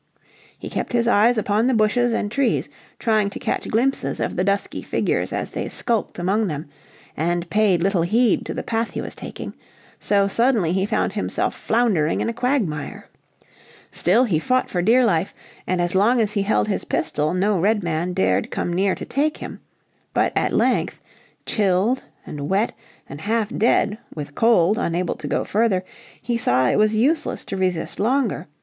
He kept his eyes upon the bushes and trees trying to catch glimpses of the dusky figures as they skulked among them, and paid little heed to the path he was taking. So suddenly he found himself floundering in a quagmire. Still he fought for dear life, and as long as he held his pistol no Redman dared come near to take him. But at length, chilled and wet, and half dead with cold, unable to go further, he saw it was useless to resist longer.